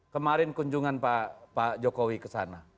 kemarin kunjungan pak jokowi ke sana